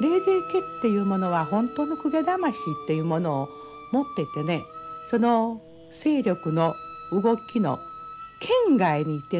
冷泉家っていうものは本当の公家魂というものを持っていてねその勢力の動きの圏外にいてね